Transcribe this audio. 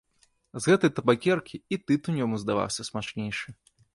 З гэтай табакеркі і тытунь яму здаваўся смачнейшы.